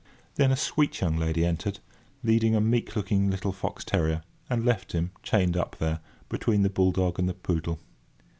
Then a sweet young lady entered, leading a meek looking little fox terrier, and left him, chained up there, between the bull dog and the poodle.